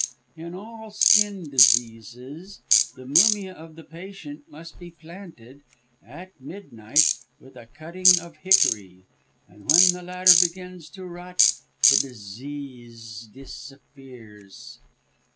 "In all skin diseases, the mumia of the patient must be planted, at midnight, with a cutting of hickory, and when the latter begins to rot the disease disappears.